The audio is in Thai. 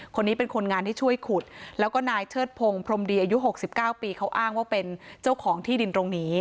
คนนี้เป็นคนงานที่ช่วยขุดแล้วก็นายเชิดพงศ์พรมดีอายุ๖๙ปีเขาอ้างว่าเป็นเจ้าของที่ดินตรงนี้